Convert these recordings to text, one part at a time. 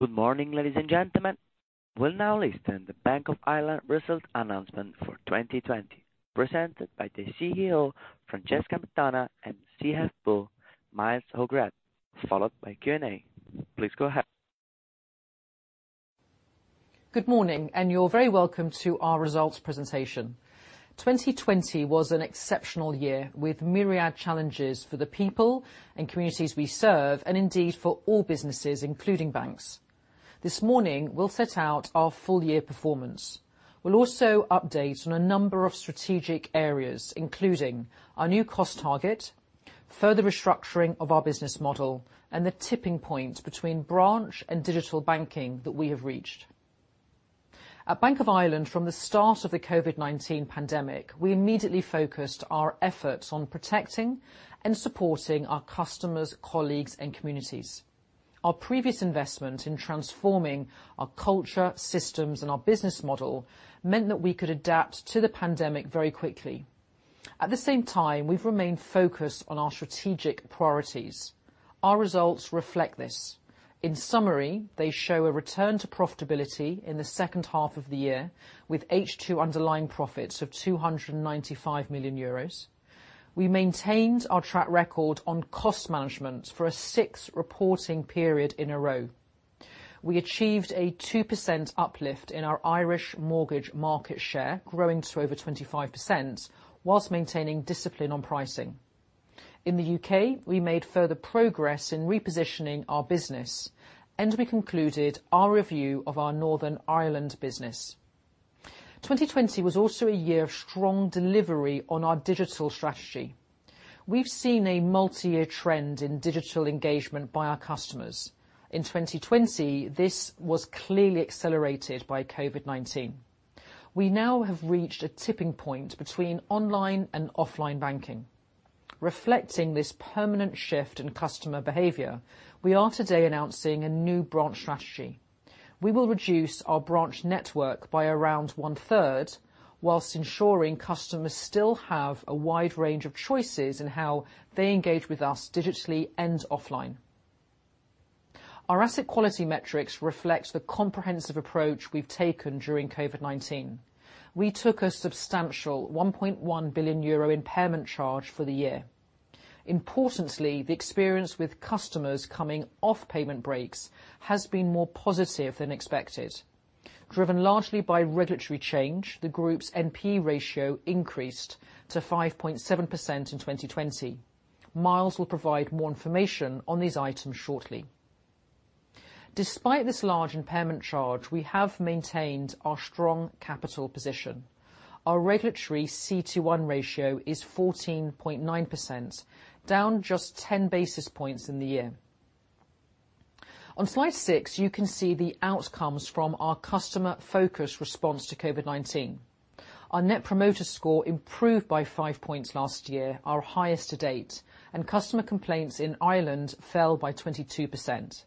Good morning, ladies and gentlemen. We'll now listen the Bank of Ireland results announcement for 2020, presented by the CEO, Francesca McDonagh, and CFO, Myles O'Grady, followed by Q&A. Please go ahead. Good morning, and you're very welcome to our results presentation. 2020 was an exceptional year, with myriad challenges for the people and communities we serve, and indeed for all businesses, including banks. This morning, we'll set out our full year performance. We'll also update on a number of strategic areas, including our new cost target, further restructuring of our business model, and the tipping point between branch and digital banking that we have reached. At Bank of Ireland, from the start of the COVID-19 pandemic, we immediately focused our efforts on protecting and supporting our customers, colleagues, and communities. Our previous investment in transforming our culture, systems, and our business model meant that we could adapt to the pandemic very quickly. At the same time, we've remained focused on our strategic priorities. Our results reflect this. In summary, they show a return to profitability in the second half of the year, with H2 underlying profits of 295 million euros. We maintained our track record on cost management for a sixth reporting period in a row. We achieved a 2% uplift in our Irish mortgage market share, growing to over 25%, while maintaining discipline on pricing. In the U.K., we made further progress in repositioning our business, and we concluded our review of our Northern Ireland business. 2020 was also a year of strong delivery on our digital strategy. We've seen a multi-year trend in digital engagement by our customers. In 2020, this was clearly accelerated by COVID-19. We now have reached a tipping point between online and offline banking. Reflecting this permanent shift in customer behavior, we are today announcing a new branch strategy. We will reduce our branch network by around one-third, while ensuring customers still have a wide range of choices in how they engage with us digitally and offline. Our asset quality metrics reflect the comprehensive approach we've taken during COVID-19. We took a substantial 1.1 billion euro impairment charge for the year. Importantly, the experience with customers coming off payment breaks has been more positive than expected. Driven largely by regulatory change, the group's NPE ratio increased to 5.7% in 2020. Myles will provide more information on these items shortly. Despite this large impairment charge, we have maintained our strong capital position. Our regulatory CET1 ratio is 14.9%, down just 10 basis points in the year. On slide six, you can see the outcomes from our customer-focused response to COVID-19. Our Net Promoter Score improved by five points last year, our highest to date, and customer complaints in Ireland fell by 22%.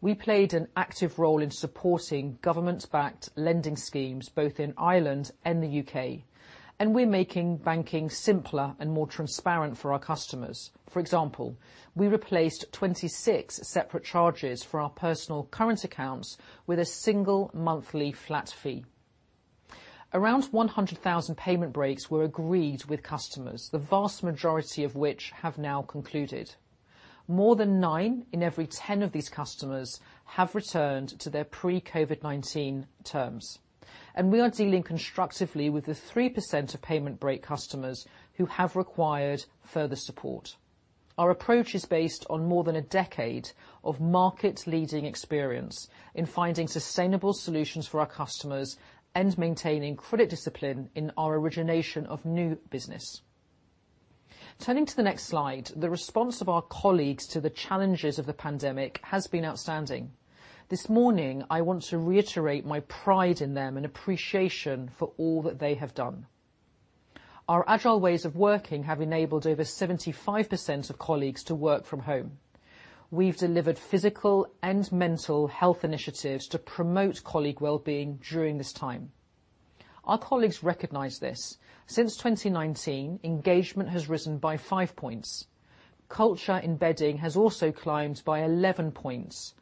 We played an active role in supporting government-backed lending schemes, both in Ireland and the U.K., and we're making banking simpler and more transparent for our customers. For example, we replaced 26 separate charges for our personal current accounts with a single monthly flat fee. Around 100,000 payment breaks were agreed with customers, the vast majority of which have now concluded. More than nine in every 10 of these customers have returned to their pre-COVID-19 terms. We are dealing constructively with the 3% of payment break customers who have required further support. Our approach is based on more than a decade of market leading experience in finding sustainable solutions for our customers and maintaining credit discipline in our origination of new business. Turning to the next slide, the response of our colleagues to the challenges of the pandemic has been outstanding. This morning, I want to reiterate my pride in them and appreciation for all that they have done. Our agile ways of working have enabled over 75% of colleagues to work from home. We've delivered physical and mental health initiatives to promote colleague wellbeing during this time. Our colleagues recognize this. Since 2019, engagement has risen by five points. Culture embedding has also climbed by 11 points,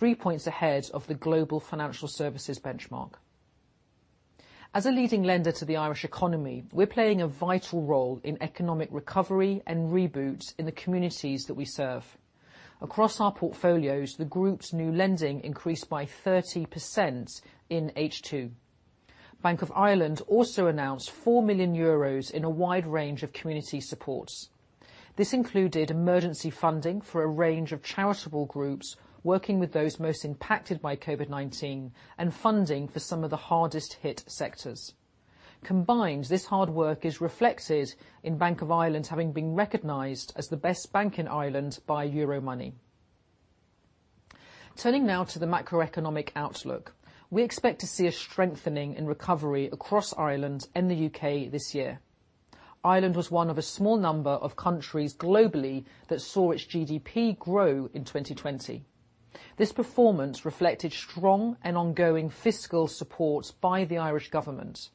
three points ahead of the global financial services benchmark. As a leading lender to the Irish economy, we're playing a vital role in economic recovery and reboot in the communities that we serve. Across our portfolios, the group's new lending increased by 30% in H2. Bank of Ireland also announced 4 million euros in a wide range of community supports. This included emergency funding for a range of charitable groups working with those most impacted by COVID-19 and funding for some of the hardest hit sectors. Combined, this hard work is reflected in Bank of Ireland having been recognized as the best bank in Ireland by Euromoney. Turning now to the macroeconomic outlook. We expect to see a strengthening in recovery across Ireland and the U.K. this year. Ireland was one of a small number of countries globally that saw its GDP grow in 2020. This performance reflected strong and ongoing fiscal support by the Irish government.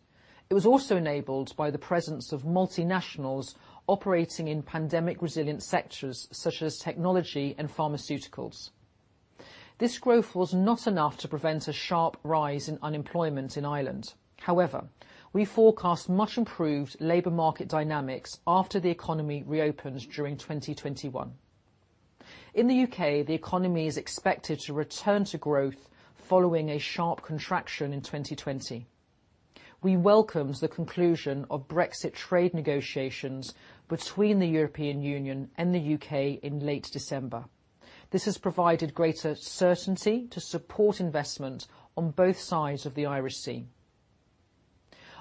It was also enabled by the presence of multinationals operating in pandemic resilient sectors, such as technology and pharmaceuticals. This growth was not enough to prevent a sharp rise in unemployment in Ireland. However, we forecast much improved labor market dynamics after the economy reopens during 2021. In the U.K., the economy is expected to return to growth following a sharp contraction in 2020. We welcomed the conclusion of Brexit trade negotiations between the European Union and the U.K. in late December. This has provided greater certainty to support investment on both sides of the Irish Sea.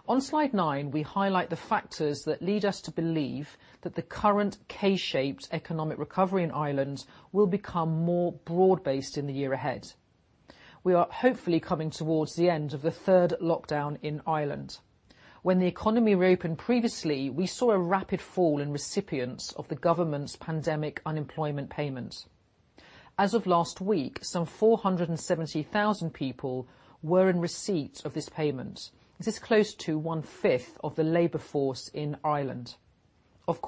On slide nine, we highlight the factors that lead us to believe that the current K-shaped economic recovery in Ireland will become more broad-based in the year ahead. We are hopefully coming towards the end of the third lockdown in Ireland. When the economy reopened previously, we saw a rapid fall in recipients of the government's Pandemic Unemployment Payment. As of last week, some 470,000 people were in receipt of this payment. This is close to one-fifth of the labor force in Ireland. Of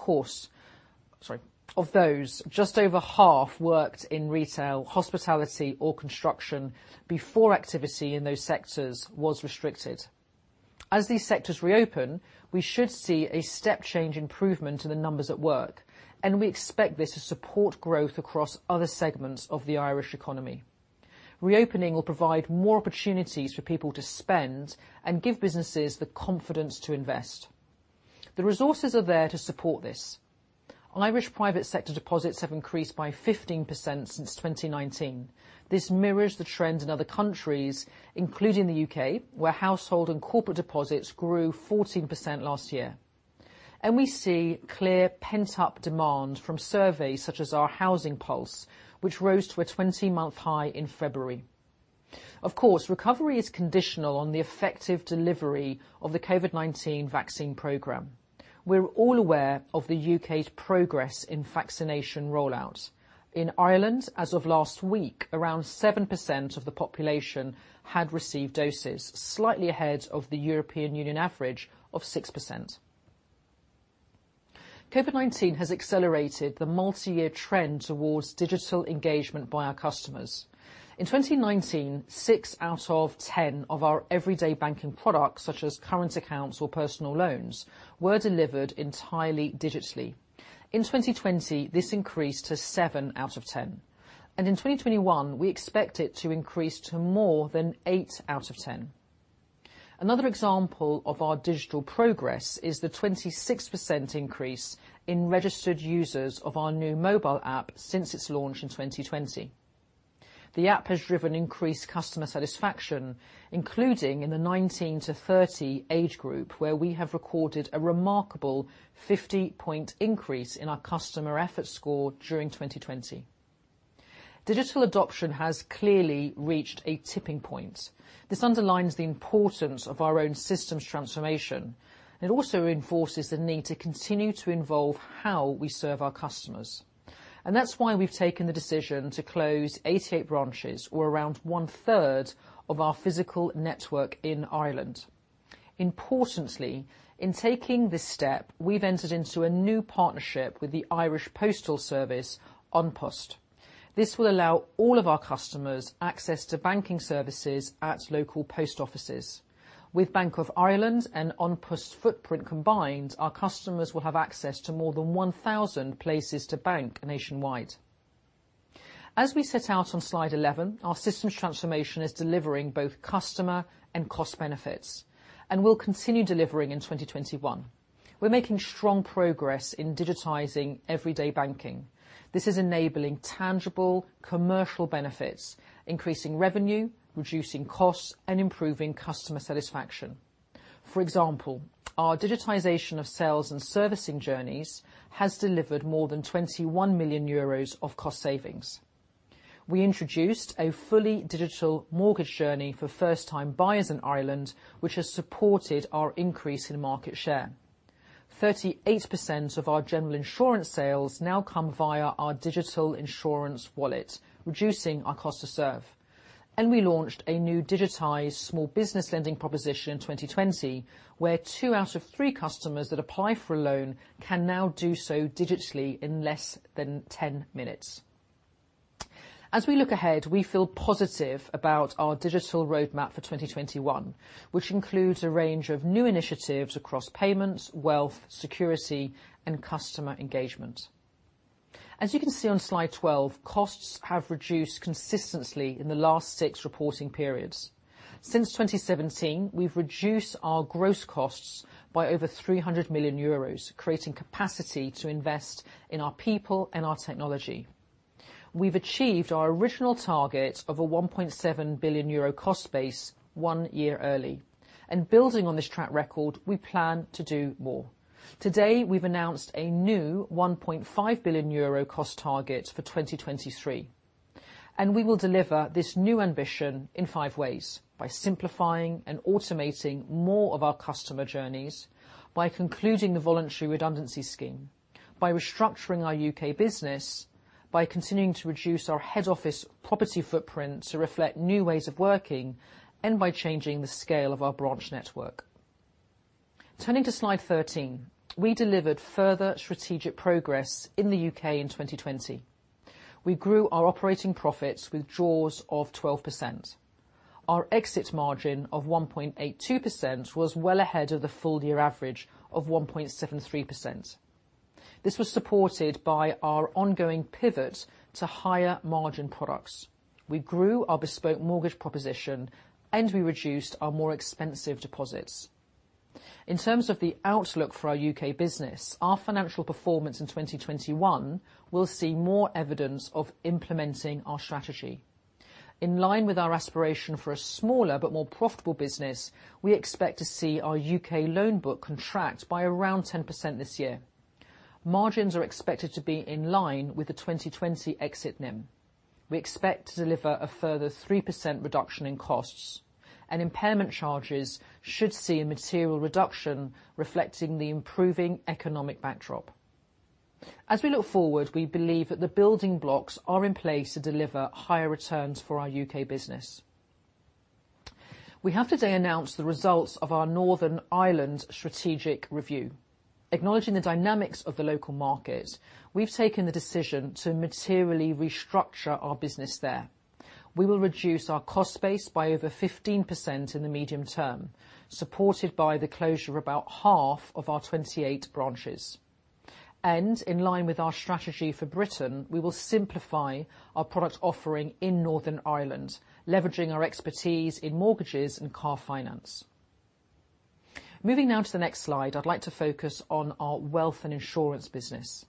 those, just over half worked in retail, hospitality, or construction before activity in those sectors was restricted. As these sectors reopen, we should see a step-change improvement in the numbers at work, and we expect this to support growth across other segments of the Irish economy. Reopening will provide more opportunities for people to spend and give businesses the confidence to invest. The resources are there to support this. Irish private sector deposits have increased by 15% since 2019. This mirrors the trends in other countries, including the U.K., where household and corporate deposits grew 14% last year. We see clear pent-up demand from surveys such as our Housing Pulse, which rose to a 20-month high in February. Of course, recovery is conditional on the effective delivery of the COVID-19 vaccine program. We are all aware of the U.K.'s progress in vaccination rollout. In Ireland, as of last week, around 7% of the population had received doses, slightly ahead of the European Union average of 6%. COVID-19 has accelerated the multi-year trend towards digital engagement by our customers. In 2019, six out of 10 of our everyday banking products, such as current accounts or personal loans, were delivered entirely digitally. In 2020, this increased to seven out of 10, and in 2021, we expect it to increase to more than eight out of 10. Another example of our digital progress is the 26% increase in registered users of our new mobile app since its launch in 2020. The app has driven increased customer satisfaction, including in the 19-30 age group, where we have recorded a remarkable 50-point increase in our Customer Effort Score during 2020. Digital adoption has clearly reached a tipping point. This underlines the importance of our own systems transformation. It also reinforces the need to continue to involve how we serve our customers. That's why we've taken the decision to close 88 branches, or around 1/3 of our physical network in Ireland. Importantly, in taking this step, we've entered into a new partnership with the Irish Postal Service, An Post. This will allow all of our customers access to banking services at local post offices. With Bank of Ireland's and An Post's footprint combined, our customers will have access to more than 1,000 places to bank nationwide. As we set out on slide 11, our systems transformation is delivering both customer and cost benefits and will continue delivering in 2021. We're making strong progress in digitizing everyday banking. This is enabling tangible commercial benefits, increasing revenue, reducing costs, and improving customer satisfaction. For example, our digitization of sales and servicing journeys has delivered more than 21 million euros of cost savings. We introduced a fully digital mortgage journey for first-time buyers in Ireland, which has supported our increase in market share. 38% of our general insurance sales now come via our digital Insurance Wallet, reducing our cost to serve. We launched a new digitized small business lending proposition in 2020, where two out of three customers that apply for a loan can now do so digitally in less than 10 minutes. As we look ahead, we feel positive about our digital roadmap for 2021, which includes a range of new initiatives across payments, wealth, security, and customer engagement. As you can see on slide 12, costs have reduced consistently in the last six reporting periods. Since 2017, we've reduced our gross costs by over 300 million euros, creating capacity to invest in our people and our technology. We've achieved our original target of a 1.7 billion euro cost base one year early. Building on this track record, we plan to do more. Today, we've announced a new 1.5 billion euro cost target for 2023, and we will deliver this new ambition in five ways: by simplifying and automating more of our customer journeys, by concluding the voluntary redundancy scheme, by restructuring our U.K. business, by continuing to reduce our head office property footprint to reflect new ways of working, and by changing the scale of our branch network. Turning to slide 13, we delivered further strategic progress in the U.K. in 2020. We grew our operating profits with draws of 12%. Our exit margin of 1.82% was well ahead of the full year average of 1.73%. This was supported by our ongoing pivot to higher margin products. We grew our bespoke mortgage proposition, and we reduced our more expensive deposits. In terms of the outlook for our U.K. business, our financial performance in 2021 will see more evidence of implementing our strategy. In line with our aspiration for a smaller but more profitable business, we expect to see our U.K. loan book contract by around 10% this year. Margins are expected to be in line with the 2020 exit NIM. We expect to deliver a further 3% reduction in costs, and impairment charges should see a material reduction reflecting the improving economic backdrop. As we look forward, we believe that the building blocks are in place to deliver higher returns for our U.K. business. We have today announced the results of our Northern Ireland strategic review. Acknowledging the dynamics of the local market, we've taken the decision to materially restructure our business there. We will reduce our cost base by over 15% in the medium term, supported by the closure of about half of our 28 branches. In line with our strategy for Britain, we will simplify our product offering in Northern Ireland, leveraging our expertise in mortgages and car finance. Moving now to the next slide, I'd like to focus on our wealth and insurance business.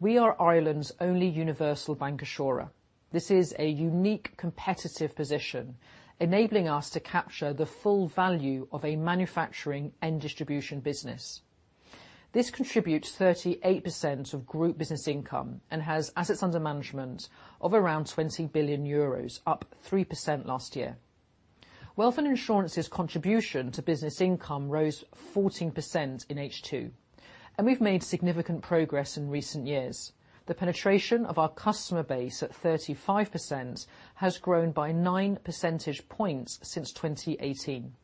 We are Ireland's only universal bancassurer. This is a unique competitive position, enabling us to capture the full value of a manufacturing and distribution business. This contributes 38% of group business income and has assets under management of around 20 billion euros, up 3% last year. Wealth and insurance's contribution to business income rose 14% in H2. We've made significant progress in recent years. The penetration of our customer base at 35% has grown by nine percentage points since 2018.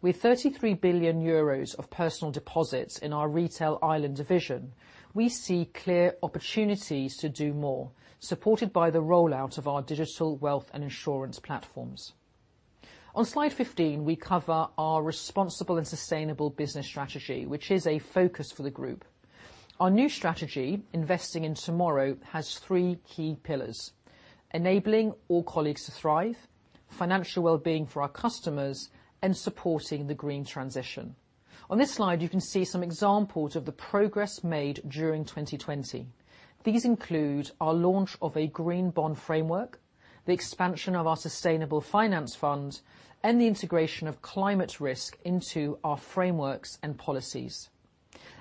With 33 billion euros of personal deposits in our retail Ireland division, we see clear opportunities to do more, supported by the rollout of our digital wealth and insurance platforms. On slide 15, we cover our responsible and sustainable business strategy, which is a focus for the group. Our new strategy, Investing in Tomorrow, has three key pillars: enabling all colleagues to thrive, financial well-being for our customers, and supporting the green transition. On this slide, you can see some examples of the progress made during 2020. These include our launch of a Green Bond Framework, the expansion of our sustainable finance fund, and the integration of climate risk into our frameworks and policies.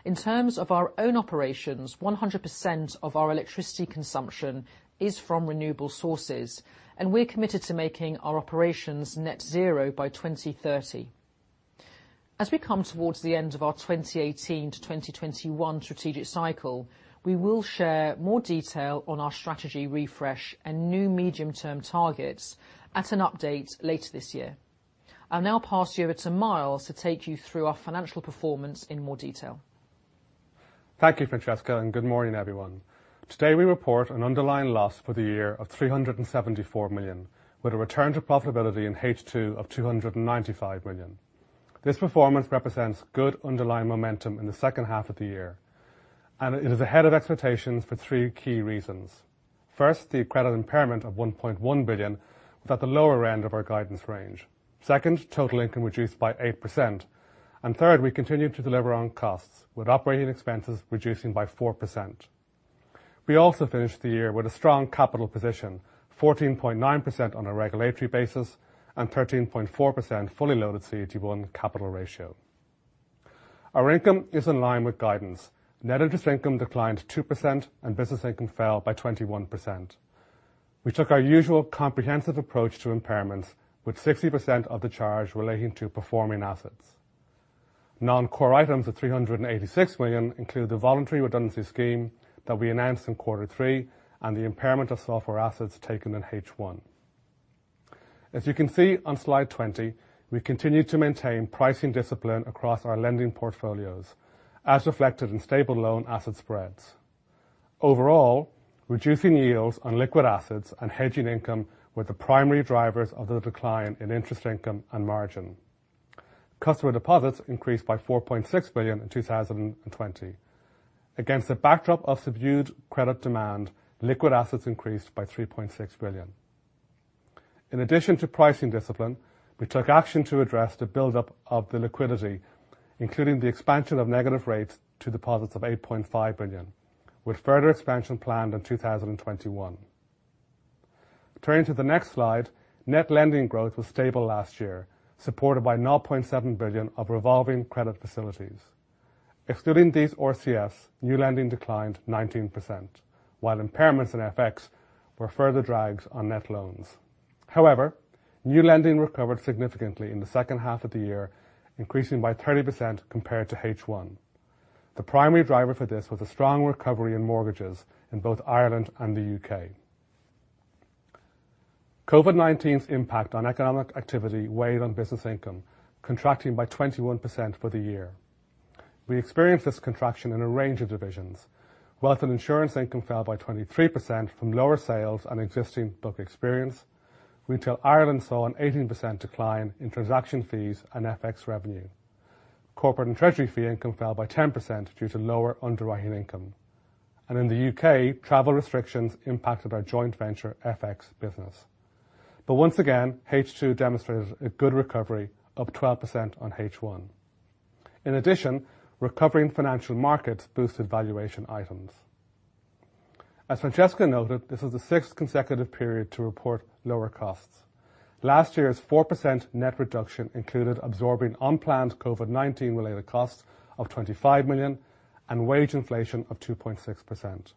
In terms of our own operations, 100% of our electricity consumption is from renewable sources, and we're committed to making our operations net zero by 2030. As we come towards the end of our 2018-2021 strategic cycle, we will share more detail on our strategy refresh and new medium-term targets at an update later this year. I'll now pass you over to Myles to take you through our financial performance in more detail. Thank you, Francesca, and good morning, everyone. Today, we report an underlying loss for the year of 374 million, with a return to profitability in H2 of 295 million. This performance represents good underlying momentum in the second half of the year, and it is ahead of expectations for three key reasons. First, the credit impairment of 1.1 billion was at the lower end of our guidance range. Second, total income reduced by 8%. Third, we continued to deliver on costs, with operating expenses reducing by 4%. We also finished the year with a strong capital position, 14.9% on a regulatory basis and 13.4% fully loaded CET1 capital ratio. Our income is in line with guidance. Net interest income declined 2%, and business income fell by 21%. We took our usual comprehensive approach to impairments, with 60% of the charge relating to performing assets. Non-core items of 386 million include the voluntary redundancy scheme that we announced in quarter three and the impairment of software assets taken in H1. As you can see on slide 20, we've continued to maintain pricing discipline across our lending portfolios, as reflected in stable loan asset spreads. Overall, reducing yields on liquid assets and hedging income were the primary drivers of the decline in interest income and margin. Customer deposits increased by 4.6 billion in 2020. Against a backdrop of subdued credit demand, liquid assets increased by 3.6 billion. In addition to pricing discipline, we took action to address the buildup of the liquidity, including the expansion of negative rates to deposits of 8.5 billion, with further expansion planned in 2021. Turning to the next slide, net lending growth was stable last year, supported by 0.7 billion of revolving credit facilities. Excluding these RCFs, new lending declined 19%, while impairments and FX were further drags on net loans. However, new lending recovered significantly in the second half of the year, increasing by 30% compared to H1. The primary driver for this was a strong recovery in mortgages in both Ireland and the U.K. COVID-19's impact on economic activity weighed on business income, contracting by 21% for the year. We experienced this contraction in a range of divisions. Wealth and insurance income fell by 23% from lower sales and existing back book experience. Retail Ireland saw an 18% decline in transaction fees and FX revenue. Corporate and Treasury fee income fell by 10% due to lower underwriting income. In the U.K., travel restrictions impacted our joint venture FX business. Once again, H2 demonstrated a good recovery, up 12% on H1. In addition, recovering financial markets boosted valuation items. As Francesca noted, this is the sixth consecutive period to report lower costs. Last year's 4% net reduction included absorbing unplanned COVID-19 related costs of 25 million, and wage inflation of 2.6%.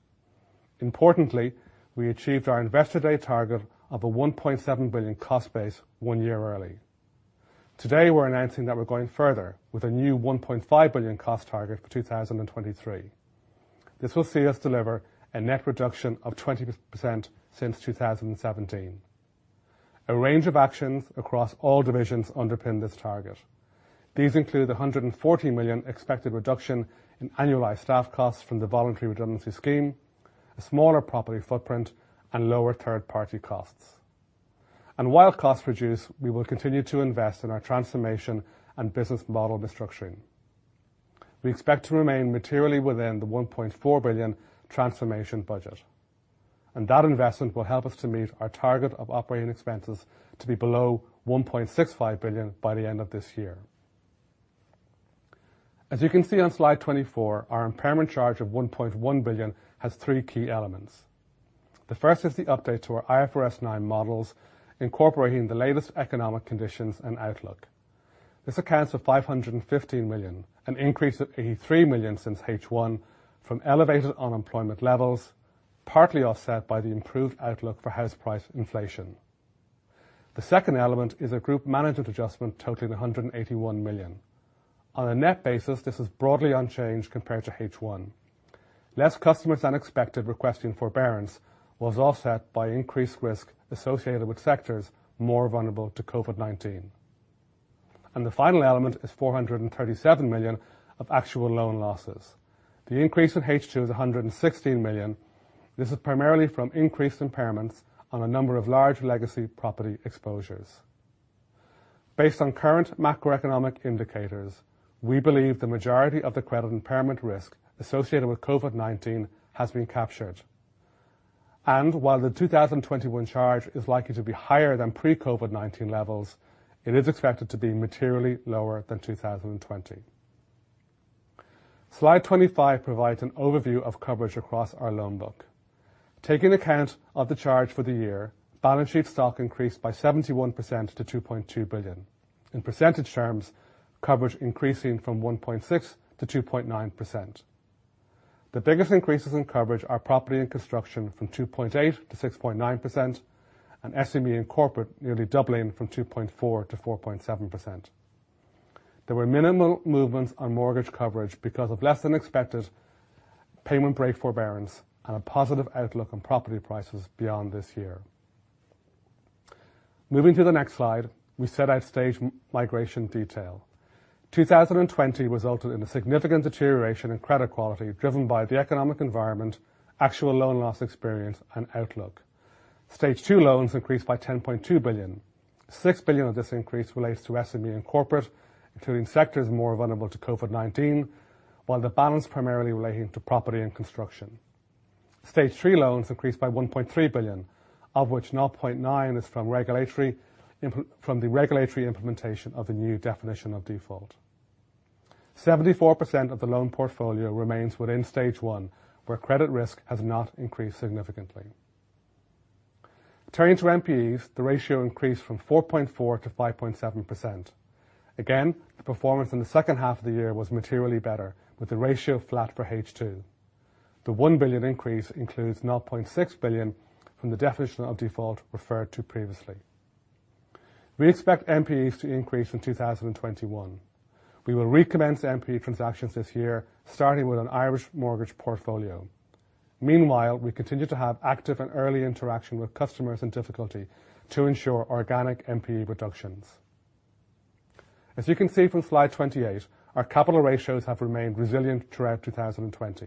Importantly, we achieved our Investor Day target of a 1.7 billion cost base one year early. Today, we're announcing that we're going further, with a new 1.5 billion cost target for 2023. This will see us deliver a net reduction of 20% since 2017. A range of actions across all divisions underpin this target. These include the 140 million expected reduction in annualized staff costs from the voluntary redundancy scheme, a smaller property footprint, and lower third-party costs. While costs reduce, we will continue to invest in our transformation and business model restructuring. We expect to remain materially within the 1.4 billion transformation budget. That investment will help us to meet our target of operating expenses to be below 1.65 billion by the end of this year. As you can see on slide 24, our impairment charge of 1.1 billion has three key elements. The first is the update to our IFRS 9 models, incorporating the latest economic conditions and outlook. This accounts for 515 million, an increase of 83 million since H1 from elevated unemployment levels, partly offset by the improved outlook for house price inflation. The second element is a group management adjustment totaling 181 million. On a net basis, this is broadly unchanged compared to H1. Less customers than expected requesting forbearance was offset by increased risk associated with sectors more vulnerable to COVID-19. The final element is 437 million of actual loan losses. The increase in H2 is 116 million. This is primarily from increased impairments on a number of large legacy property exposures. Based on current macroeconomic indicators, we believe the majority of the credit impairment risk associated with COVID-19 has been captured. While the 2021 charge is likely to be higher than pre-COVID-19 levels, it is expected to be materially lower than 2020. Slide 25 provides an overview of coverage across our loan book. Taking account of the charge for the year, balance sheet stock increased by 71% to 2.2 billion. In percentage terms, coverage increasing from 1.6%-2.9%. The biggest increases in coverage are property and construction from 2.8% to 6.9%, and SME and corporate nearly doubling from 2.4% to 4.7%. There were minimal movements on mortgage coverage because of less than expected payment break forbearance and a positive outlook on property prices beyond this year. Moving to the next slide, we set out stage migration detail. 2020 resulted in a significant deterioration in credit quality driven by the economic environment, actual loan loss experience, and outlook. Stage two loans increased by 10.2 billion. 6 billion of this increase relates to SME and corporate, including sectors more vulnerable to COVID-19, while the balance primarily relating to property and construction. Stage three loans increased by 1.3 billion, of which 0.9 billion is from the regulatory implementation of the new definition of default. 74% of the loan portfolio remains within stage one, where credit risk has not increased significantly. Turning to NPEs, the ratio increased from 4.4% to 5.7%. Again, the performance in the second half of the year was materially better, with the ratio flat for H2. The 1 billion increase includes 0.6 billion from the definition of default referred to previously. We expect NPEs to increase in 2021. We will recommence NPE transactions this year, starting with an Irish mortgage portfolio. Meanwhile, we continue to have active and early interaction with customers in difficulty to ensure organic NPE reductions. As you can see from slide 28, our capital ratios have remained resilient throughout 2020.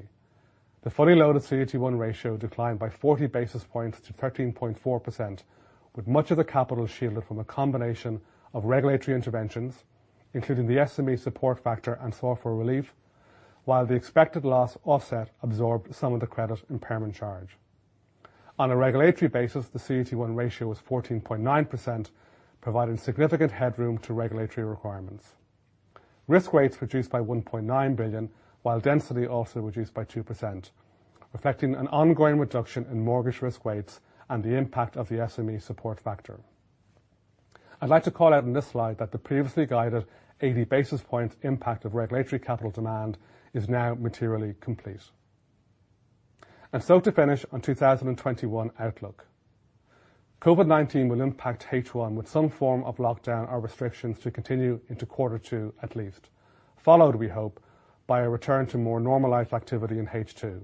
The fully loaded CET1 ratio declined by 40 basis points to 13.4%, with much of the capital shielded from a combination of regulatory interventions, including the SME support factor and software relief, while the expected loss offset absorbed some of the credit impairment charge. On a regulatory basis, the CET1 ratio was 14.9%, providing significant headroom to regulatory requirements. Risk weights reduced by 1.9 billion, while density also reduced by 2%, reflecting an ongoing reduction in mortgage risk weights and the impact of the SME support factor. I'd like to call out in this slide that the previously guided 80 basis point impact of regulatory capital demand is now materially complete. To finish on 2021 outlook. COVID-19 will impact H1 with some form of lockdown or restrictions to continue into quarter two at least, followed, we hope, by a return to more normalized activity in H2.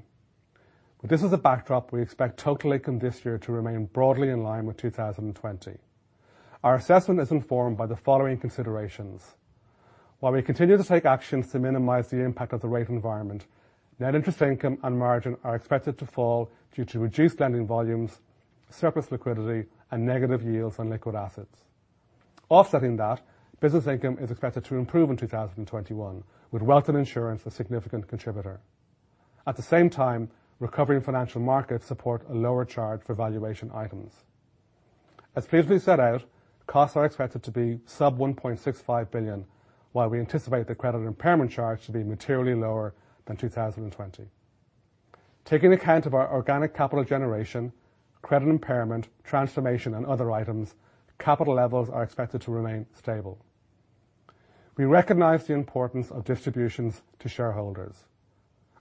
With this as a backdrop, we expect total income this year to remain broadly in line with 2020. Our assessment is informed by the following considerations. While we continue to take actions to minimize the impact of the rate environment, net interest income and margin are expected to fall due to reduced lending volumes, surplus liquidity, and negative yields on liquid assets. Offsetting that, business income is expected to improve in 2021 with wealth and insurance a significant contributor. At the same time, recovery in financial markets support a lower charge for valuation items. As previously set out, costs are expected to be sub 1.65 billion, while we anticipate the credit impairment charge to be materially lower than 2020. Taking account of our organic capital generation, credit impairment, transformation, and other items, capital levels are expected to remain stable. We recognize the importance of distributions to shareholders.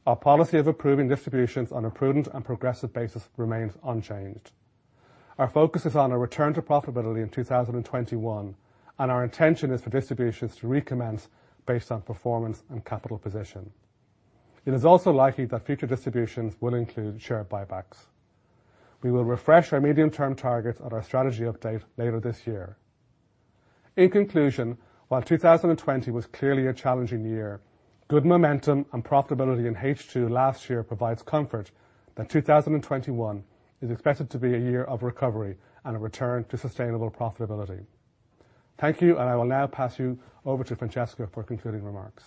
Our policy of approving distributions on a prudent and progressive basis remains unchanged. Our focus is on a return to profitability in 2021, and our intention is for distributions to recommence based on performance and capital position. It is also likely that future distributions will include share buybacks. We will refresh our medium-term targets at our strategy update later this year. In conclusion, while 2020 was clearly a challenging year, good momentum and profitability in H2 last year provides comfort that 2021 is expected to be a year of recovery and a return to sustainable profitability. Thank you, and I will now pass you over to Francesca for concluding remarks.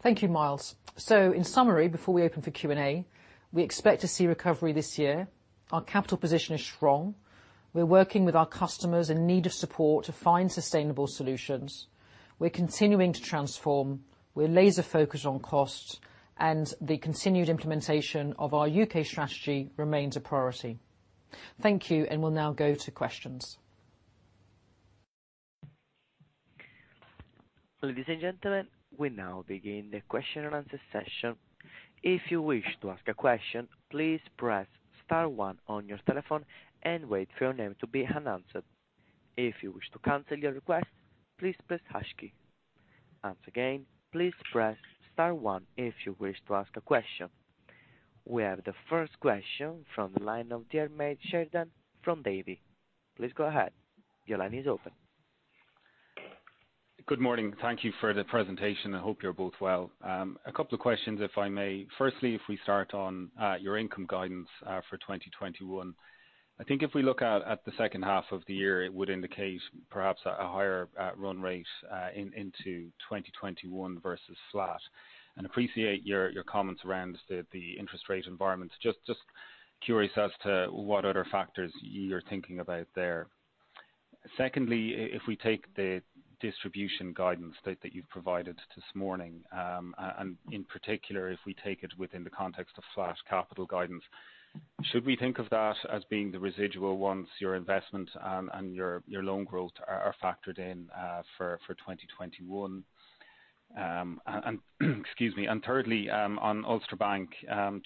Thank you, Myles. So in summary, before we open for Q&A, we expect to see recovery this year. Our capital position is strong. We're working with our customers in need of support to find sustainable solutions. We're continuing to transform. We're laser focused on cost, and the continued implementation of our U.K. strategy remains a priority. Thank you, and we'll now go to questions. We have the first question from the line of Diarmaid Sheridan from Davy. Please go ahead. Your line is open. Good morning. Thank you for the presentation. I hope you're both well. A couple of questions, if I may. Firstly, if we start on your income guidance for 2021, I think if we look out at the second half of the year, it would indicate perhaps a higher run rate into 2021 versus flat, and appreciate your comments around the interest rate environments. Just curious as to what other factors you're thinking about there. Secondly, if we take the distribution guidance that you've provided this morning, and in particular, if we take it within the context of flat capital guidance, should we think of that as being the residual once your investment and your loan growth are factored in for 2021? Excuse me. Thirdly, on Ulster Bank,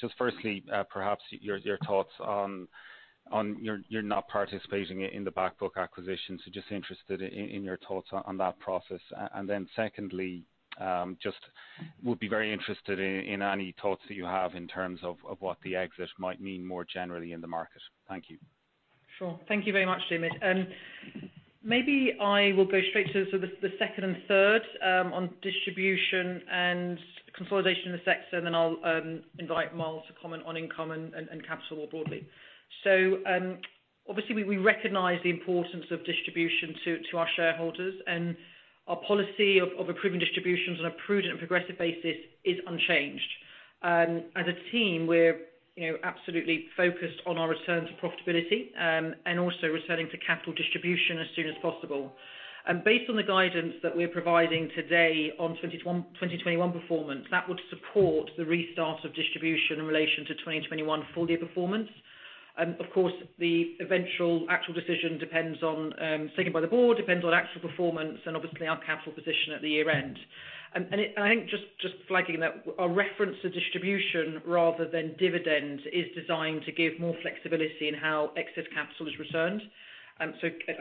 just firstly, perhaps your thoughts on you're not participating in the back book acquisition, just interested in your thoughts on that process. Secondly, just would be very interested in any thoughts that you have in terms of what the exit might mean more generally in the market. Thank you. Sure. Thank you very much, Diarmaid. Maybe I will go straight to the second and third on distribution and consolidation in the sector, then I will invite Myles to comment on income and capital more broadly. Obviously we recognize the importance of distribution to our shareholders, and our policy of approving distributions on a prudent and progressive basis is unchanged. As a team, we are absolutely focused on our return to profitability, and also returning to capital distribution as soon as possible. Based on the guidance that we are providing today on 2021 performance, that would support the restart of distribution in relation to 2021 full year performance. Of course, the eventual actual decision taken by the board, depends on actual performance and obviously our capital position at the year-end. I think just flagging that our reference to distribution rather than dividends is designed to give more flexibility in how excess capital is returned. I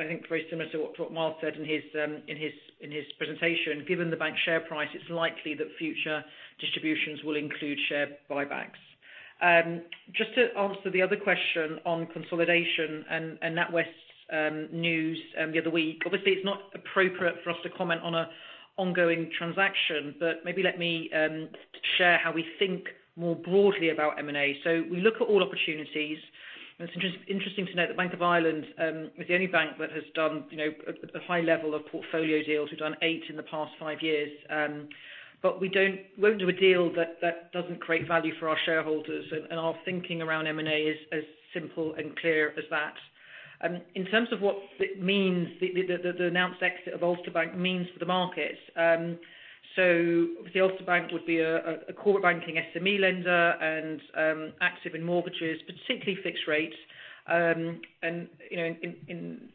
think very similar to what Myles said in his presentation, given the Bank share price, it's likely that future distributions will include share buybacks. Just to answer the other question on consolidation and NatWest's news the other week. Obviously, it's not appropriate for us to comment on an ongoing transaction. Maybe let me share how we think more broadly about M&A. We look at all opportunities, and it's interesting to note that Bank of Ireland is the only bank that has done a high level of portfolio deals. We've done eight in the past five years. We won't do a deal that doesn't create value for our shareholders, and our thinking around M&A is as simple and clear as that. In terms of what the announced exit of Ulster Bank means for the market. Obviously Ulster Bank would be a core banking SME lender and active in mortgages, particularly fixed rates. In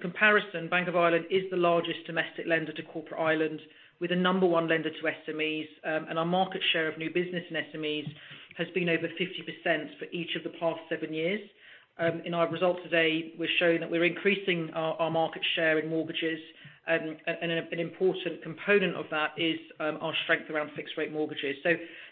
comparison, Bank of Ireland is the largest domestic lender to corporate Ireland. We're the number one lender to SMEs, and our market share of new business in SMEs has been over 50% for each of the past seven years. In our results today, we're showing that we're increasing our market share in mortgages, and an important component of that is our strength around fixed rate mortgages.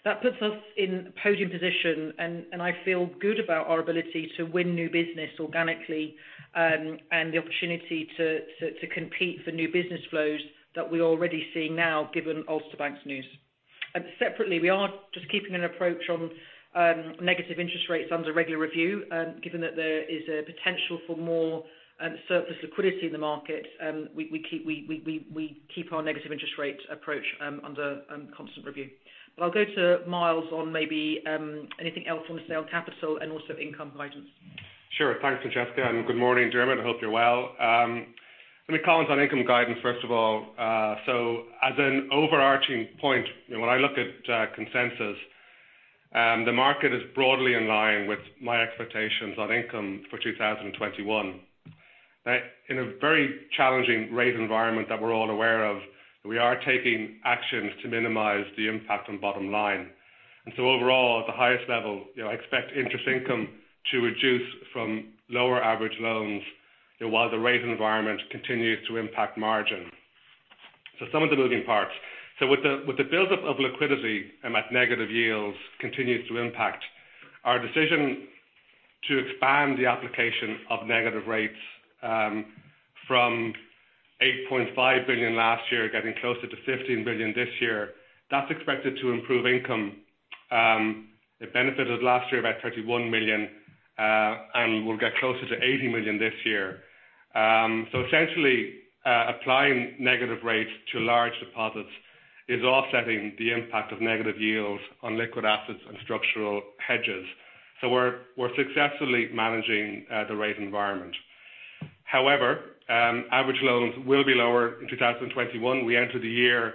That puts us in podium position, and I feel good about our ability to win new business organically, and the opportunity to compete for new business flows that we're already seeing now given Ulster Bank's news. Separately, we are just keeping an approach on negative interest rates under regular review. Given that there is a potential for more surplus liquidity in the market, we keep our negative interest rate approach under constant review. I'll go to Myles on maybe anything else on capital and also income guidance. Sure. Thanks, Francesca, and good morning, Diarmaid. I hope you're well. Let me comment on income guidance, first of all. As an overarching point, when I look at consensus, the market is broadly in line with my expectations on income for 2021. In a very challenging rate environment that we're all aware of, we are taking actions to minimize the impact on bottom line. Overall, at the highest level, I expect interest income to reduce from lower average loans, while the rate environment continues to impact margin. Some of the moving parts. With the buildup of liquidity at negative yields continues to impact our decision to expand the application of negative rates from 8.5 billion last year, getting closer to 15 billion this year. That's expected to improve income. It benefited last year about 31 million, and we'll get closer to 80 million this year. Essentially, applying negative rates to large deposits is offsetting the impact of negative yields on liquid assets and structural hedges. We're successfully managing the rate environment. However, average loans will be lower in 2021. We entered the year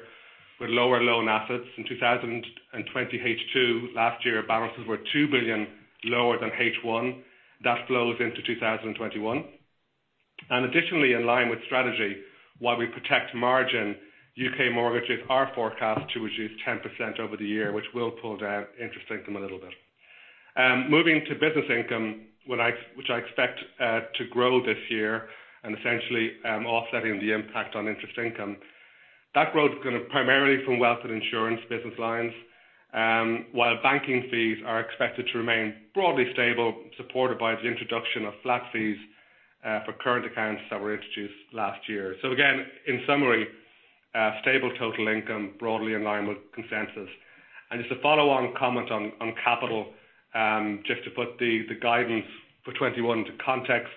with lower loan assets. In 2020 H2 last year, balances were 2 billion lower than H1. That flows into 2021. Additionally, in line with strategy, while we protect margin, U.K. mortgages are forecast to reduce 10% over the year, which will pull down interest income a little bit. Moving to business income, which I expect to grow this year and essentially offsetting the impact on interest income. That growth is going to primarily from wealth and insurance business lines, while banking fees are expected to remain broadly stable, supported by the introduction of flat fees for current accounts that were introduced last year. Again, in summary, stable total income, broadly in line with consensus. Just a follow on comment on capital, just to put the guidance for 2021 to context.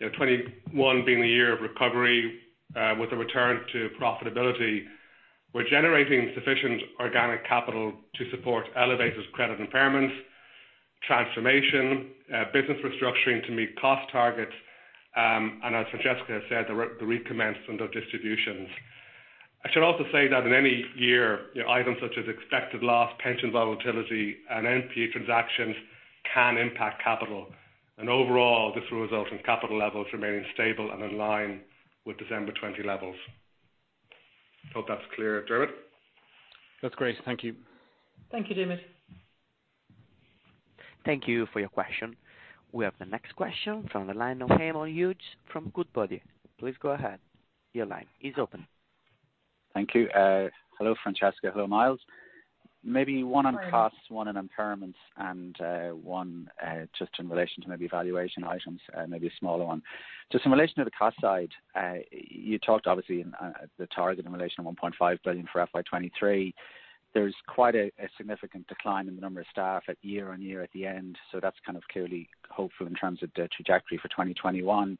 2021 being the year of recovery with a return to profitability. We're generating sufficient organic capital to support elevated credit impairments, transformation, business restructuring to meet cost targets, and as Francesca said, the recommencement of distributions. I should also say that in any year, items such as expected loss, pension volatility, and NPE transactions can impact capital. Overall, this will result in capital levels remaining stable and in line with December 2020 levels. Hope that's clear, Diarmaid. That's great. Thank you. Thank you, Diarmaid. Thank you for your question. We have the next question from the line of Eamonn Hughes from Goodbody. Please go ahead. Your line is open. Thank you. Hello, Francesca. Hello, Myles. Hi, Eamonn. Maybe one on costs, one on impairments, and one just in relation to maybe valuation items, maybe a smaller one. Just in relation to the cost side, you talked obviously the target in relation to 1.5 billion for FY 2023. There's quite a significant decline in the number of staff at year-on-year at the end. That's kind of clearly hopeful in terms of the trajectory for 2021.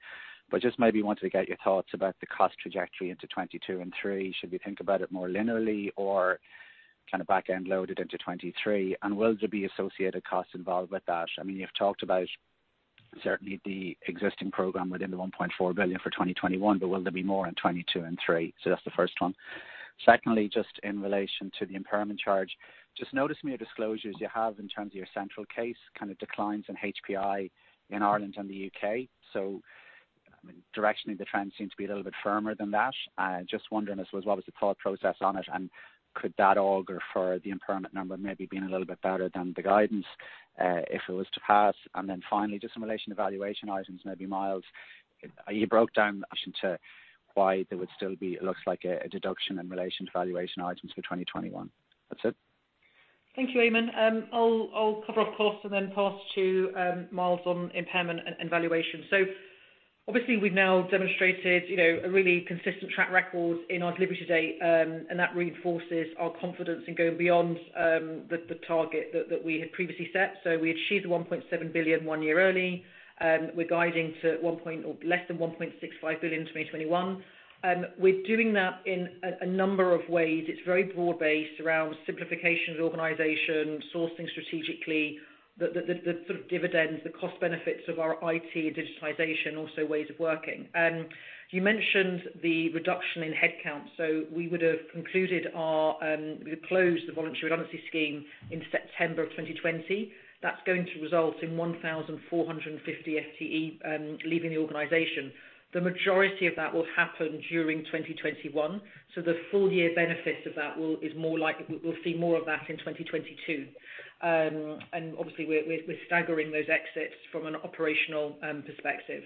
Just maybe wanted to get your thoughts about the cost trajectory into 2022 and 2023. Should we think about it more linearly or kind of back end loaded into 2023? Will there be associated costs involved with that? You've talked about certainly the existing program within 1.4 billion for 2021, but will there be more in 2022 and 2023? That's the first one. Secondly, just in relation to the impairment charge. Just noticed in your disclosures you have in terms of your central case kind of declines in HPI in Ireland and the U.K. Directionally, the trend seems to be a little bit firmer than that. Just wondering as well, what was the thought process on it, and could that augur for the impairment number maybe being a little bit better than the guidance if it was to pass? Finally, just in relation to valuation items, maybe Myles. You broke down action to why there would still be looks like a deduction in relation to valuation items for 2021. That's it. Thank you, Eamonn. I'll cover off cost and then pass to Myles on impairment and valuation. Obviously we've now demonstrated a really consistent track record in our delivery to date, and that reinforces our confidence in going beyond the target that we had previously set. We achieved 1.7 billion one year early. We're guiding to less than 1.65 billion in 2021. We're doing that in a number of ways. It's very broad-based around simplification of the organization, sourcing strategically, the sort of dividends, the cost benefits of our IT and digitization, also ways of working. You mentioned the reduction in headcount. We closed the voluntary redundancy scheme in September of 2020. That's going to result in 1,450 FTE leaving the organization. The majority of that will happen during 2021. The full year benefit of that, we'll see more of that in 2022. Obviously we're staggering those exits from an operational perspective.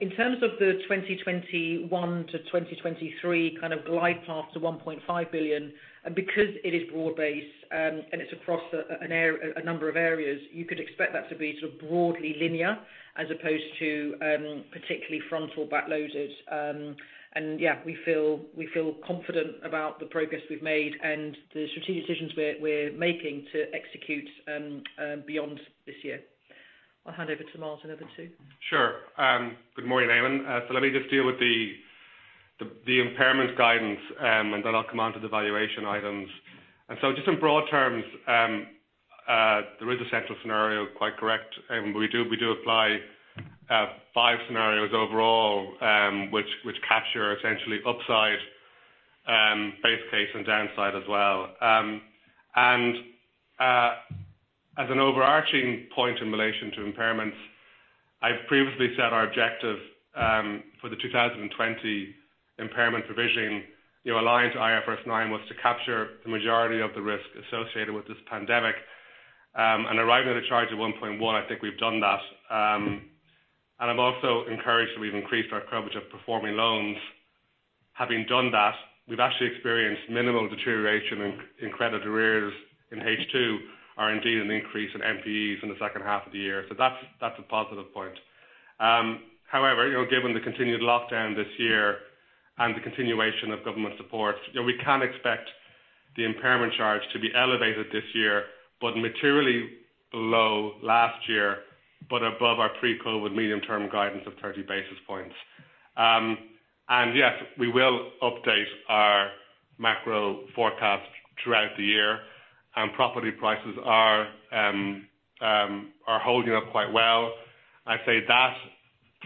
In terms of the 2021-2023 kind of glide path to 1.5 billion, because it is broad-based and it's across a number of areas, you could expect that to be sort of broadly linear as opposed to particularly front or back-loaded. Yeah, we feel confident about the progress we've made and the strategic decisions we're making to execute beyond this year. I'll hand over to Myles and over to you. Good morning, Eamonn. Let me just deal with the impairments guidance, and then I'll come on to the valuation items. Just in broad terms, there is a central scenario, quite correct, Eamonn. We do apply five scenarios overall, which capture essentially upside, base case, and downside as well. As an overarching point in relation to impairments, I've previously set our objective for the 2020 impairment provision, aligned to IFRS 9, was to capture the majority of the risk associated with this pandemic. Arriving at a charge of 1.1, I think we've done that. I'm also encouraged that we've increased our coverage of performing loans. Having done that, we've actually experienced minimal deterioration in credit arrears in H2, or indeed an increase in NPEs in the second half of the year. That's a positive point. Given the continued lockdown this year and the continuation of government support, we can expect the impairment charge to be elevated this year, but materially low last year, but above our pre-COVID medium-term guidance of 30 basis points. Yes, we will update our macro forecast throughout the year. Property prices are holding up quite well. I'd say that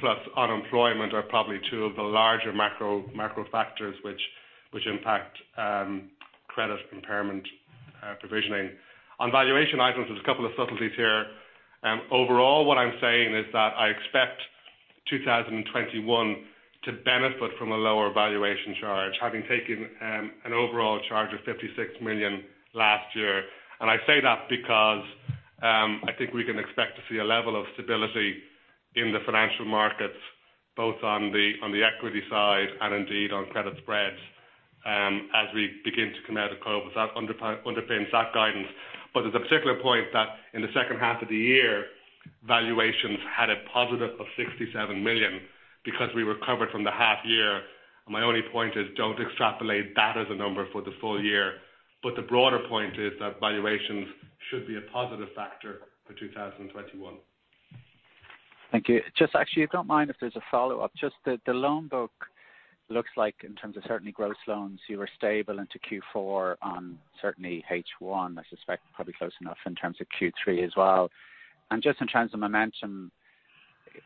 plus unemployment are probably two of the larger macro factors which impact credit impairment provisioning. On valuation items, there's a couple of subtleties here. Overall, what I'm saying is that I expect 2021 to benefit from a lower valuation charge, having taken an overall charge of 56 million last year. I say that because I think we can expect to see a level of stability in the financial markets, both on the equity side and indeed on credit spreads, as we begin to come out of COVID. That underpins that guidance. There's a particular point that in the second half of the year, valuations had a positive of 67 million because we recovered from the half year. My only point is don't extrapolate that as a number for the full year. The broader point is that valuations should be a positive factor for 2021. Thank you. Just actually, if you don't mind, if there's a follow-up. Just the loan book looks like in terms of certainly gross loans, you were stable into Q4 on certainly H1, I suspect probably close enough in terms of Q3 as well. Just in terms of momentum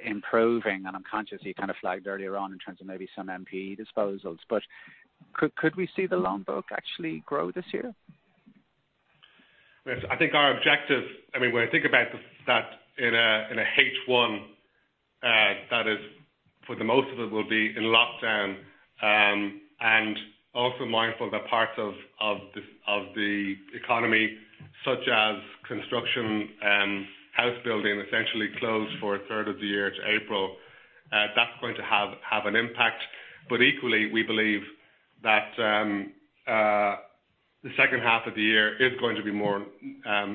improving, and I'm conscious you kind of flagged earlier on in terms of maybe some NPE disposals. Could we see the loan book actually grow this year? Yes. I think our objective, when I think about that in a H1, that is for the most of it will be in lockdown. Also mindful that parts of the economy such as construction, house building essentially closed for a third of the year to April. That's going to have an impact. Equally, we believe that the second half of the year is going to be more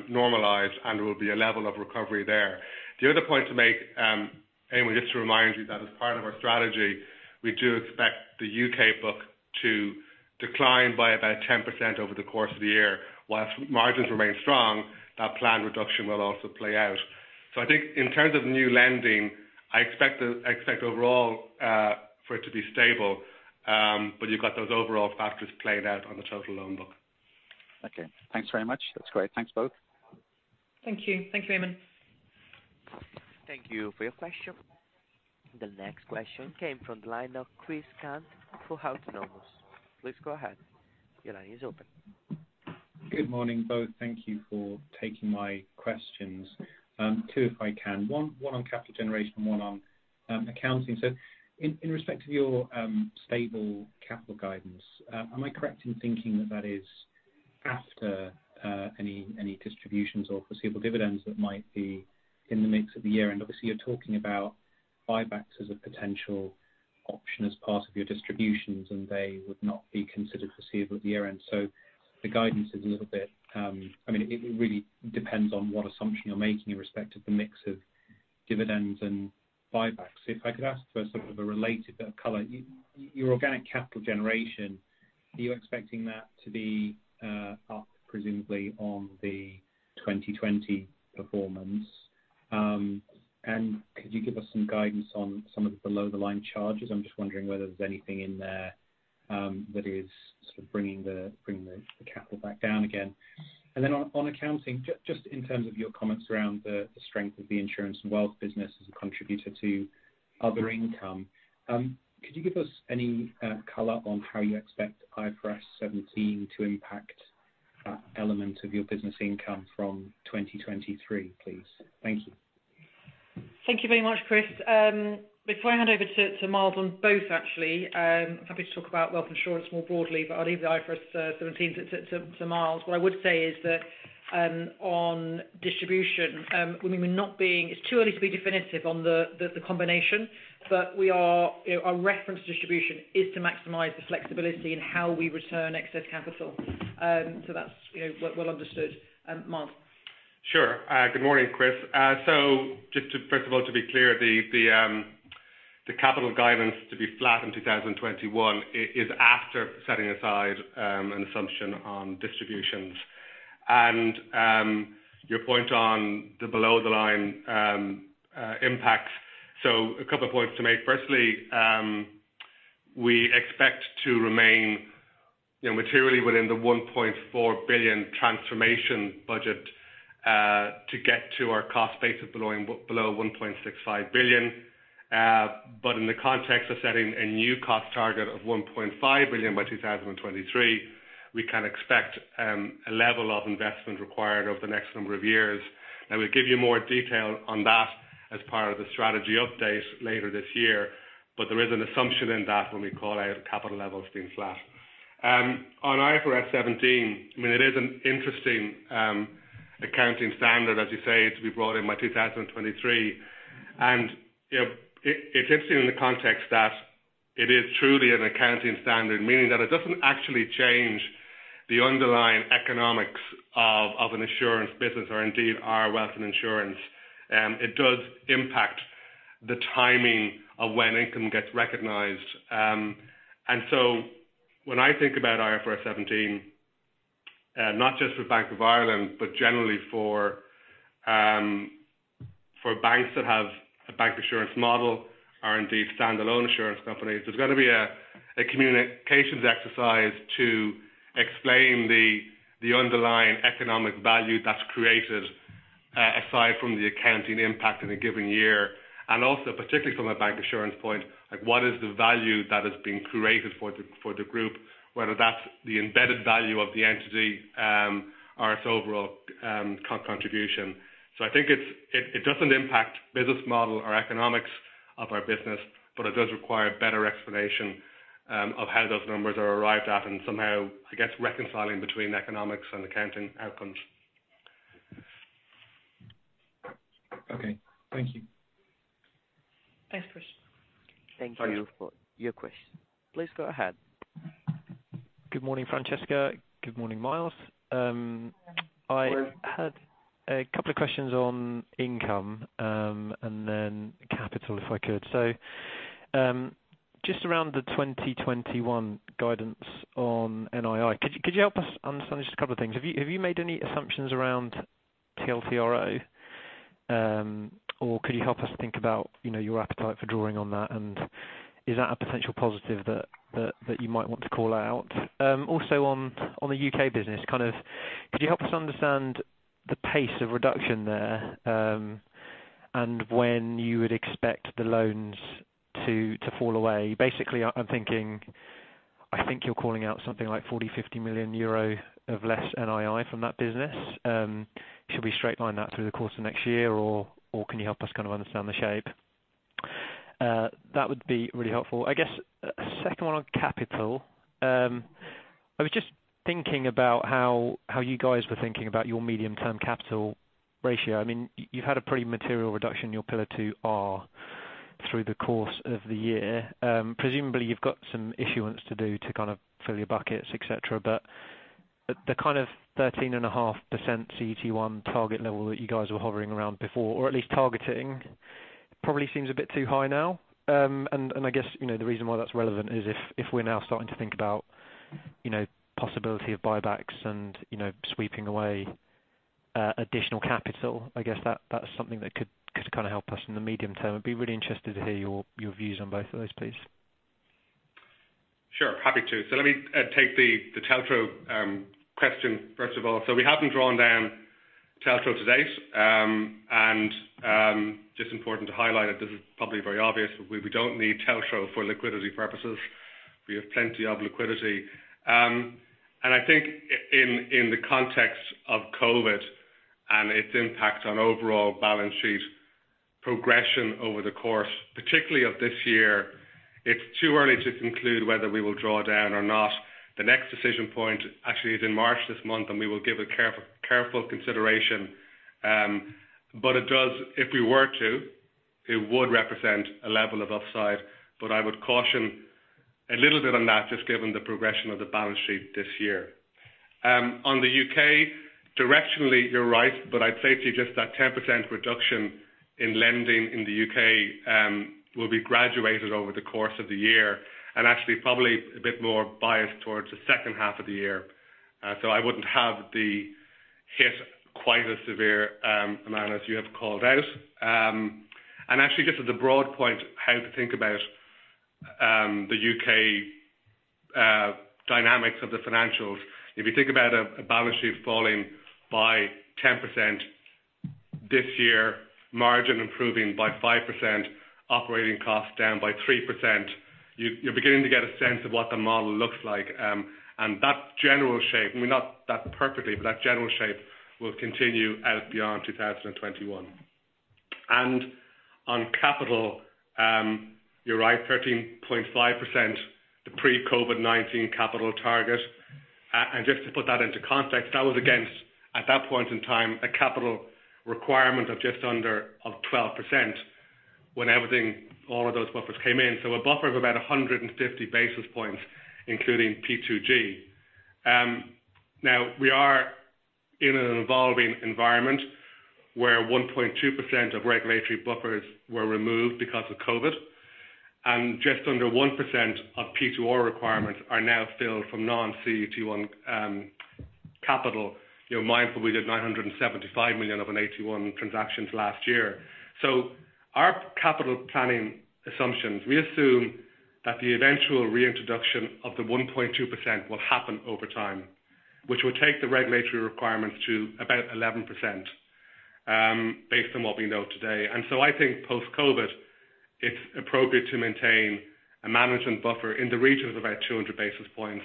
normalized and there will be a level of recovery there. The other point to make, Eamonn, just to remind you that as part of our strategy, we do expect the U.K. book to decline by about 10% over the course of the year. Whilst margins remain strong, that planned reduction will also play out. I think in terms of new lending, I expect overall for it to be stable, but you've got those overall factors playing out on the total loan book. Okay. Thanks very much. That's great. Thanks both. Thank you. Thank you, Eamonn. Thank you for your question. The next question came from the line of Chris Cant for Houlihan Lokey. Please go ahead. Your line is open. Good morning, both. Thank you for taking my questions. Two, if I can. One on capital generation, one on accounting. In respect of your stable capital guidance, am I correct in thinking that that is after any distributions or foreseeable dividends that might be in the mix of the year? Obviously you're talking about buybacks as a potential option as part of your distributions, and they would not be considered foreseeable at the year-end. The guidance is a little bit, it really depends on what assumption you're making in respect of the mix of dividends and buybacks. If I could ask for sort of a related color, your organic capital generation, are you expecting that to be up presumably on the 2020 performance? Could you give us some guidance on some of the below the line charges? I'm just wondering whether there's anything in there that is sort of bringing the capital back down again. On accounting, just in terms of your comments around the strength of the insurance and wealth business as a contributor to other income, could you give us any color on how you expect IFRS 17 to impact that element of your business income from 2023, please? Thank you. Thank you very much, Chris. Before I hand over to Myles on both actually, I am happy to talk about wealth insurance more broadly, but I will leave the IFRS 17 to Myles. What I would say is that, on distribution, it is too early to be definitive on the combination, but our reference distribution is to maximize the flexibility in how we return excess capital. That is well understood. Myles. Sure. Good morning, Chris. Just first of all, to be clear, the capital guidance to be flat in 2021 is after setting aside an assumption on distributions. Your point on the below the line impact. A couple of points to make. Firstly, we expect to remain materially within the 1.4 billion transformation budget to get to our cost base of below 1.65 billion. In the context of setting a new cost target of 1.5 billion by 2023, we can expect a level of investment required over the next number of years. Now, we'll give you more detail on that as part of the strategy update later this year. There is an assumption in that when we call out capital levels being flat. On IFRS 17, it is an interesting accounting standard, as you say, it's to be brought in by 2023. It's interesting in the context that it is truly an accounting standard, meaning that it doesn't actually change the underlying economics of an insurance business or indeed our wealth and insurance. It does impact the timing of when income gets recognized. When I think about IFRS 17, not just for Bank of Ireland, but generally for banks that have a bank insurance model are indeed standalone insurance companies, there's got to be a communications exercise to explain the underlying economic value that's created aside from the accounting impact in a given year. Also particularly from a bank insurance point, what is the value that is being created for the group, whether that's the embedded value of the entity or its overall contribution. I think it doesn't impact business model or economics of our business, but it does require better explanation of how those numbers are arrived at and somehow, I guess reconciling between economics and accounting outcomes. Okay. Thank you. Thanks, Chris. Thank you for your question. Please go ahead. Good morning, Francesca. Good morning, Myles. Morning. I had a couple of questions on income, then capital, if I could. Just around the 2021 guidance on NII, could you help us understand just a couple of things? Have you made any assumptions around TLTRO? Could you help us think about your appetite for drawing on that? Is that a potential positive that you might want to call out? Also on the U.K. business, could you help us understand the pace of reduction there? When you would expect the loans to fall away? Basically, I'm thinking, I think you're calling out something like 40 million, 50 million euro of less NII from that business. Should we straight line that through the course of next year, or can you help us understand the shape? That would be really helpful. I guess a second one on capital. I was just thinking about how you guys were thinking about your medium term capital ratio. You've had a pretty material reduction in your Pillar 2R through the course of the year. Presumably, you've got some issuance to do to fill your buckets, et cetera. The 13.5% CET1 target level that you guys were hovering around before, or at least targeting, probably seems a bit too high now. I guess, the reason why that's relevant is if we're now starting to think about possibility of buybacks and sweeping away additional capital. I guess that's something that could help us in the medium term. I'd be really interested to hear your views on both of those, please. Sure, happy to. Let me take the TLTRO question first of all. We haven't drawn down TLTRO to date. Just important to highlight it, this is probably very obvious, but we don't need TLTRO for liquidity purposes. We have plenty of liquidity. I think in the context of COVID and its impact on overall balance sheet progression over the course, particularly of this year, it's too early to conclude whether we will draw down or not. The next decision point actually is in March this month, and we will give a careful consideration. If we were to, it would represent a level of upside. I would caution a little bit on that, just given the progression of the balance sheet this year. On the U.K., directionally, you're right. I'd say to you just that 10% reduction in lending in the U.K. will be graduated over the course of the year, actually probably a bit more biased towards the second half of the year. I wouldn't have the hit quite as severe amount as you have called out. Actually, just as a broad point, how to think about the U.K. dynamics of the financials. If you think about a balance sheet falling by 10% this year, margin improving by 5%, operating costs down by 3%, you're beginning to get a sense of what the model looks like. That general shape, not that perfectly, but that general shape will continue out beyond 2021. On capital, you're right, 13.5%, the pre-COVID-19 capital target. Just to put that into context, that was against, at that point in time, a capital requirement of just under of 12% when all of those buffers came in. A buffer of about 150 basis points, including P2G. We are in an evolving environment where 1.2% of regulatory buffers were removed because of COVID, and just under 1% of P2R requirements are now filled from non-CET1 capital. Mindful we did 975 million of an AT1 transactions last year. Our capital planning assumptions, we assume that the eventual reintroduction of the 1.2% will happen over time, which will take the regulatory requirements to about 11%, based on what we know today. I think post-COVID, it's appropriate to maintain a management buffer in the region of about 200 basis points,